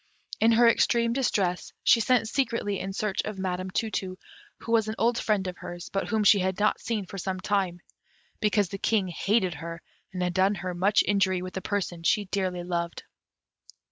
In her extreme distress, she sent secretly in search of Madam Tu tu, who was an old friend of hers, but whom she had not seen for some time, because the King hated her, and had done her much injury with a person she dearly loved.